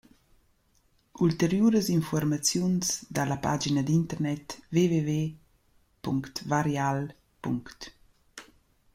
Ulteriuras infuormaziuns dà la pagina d’internet: www.varial.